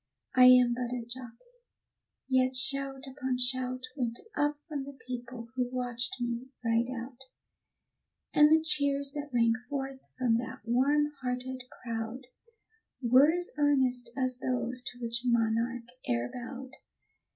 I am but a jockey, yet shout upon shout Went up from the people who watched me ride out; And the cheers that rang forth from that warm hearted crowd, Were as earnest as those to which monarch e'er bowed.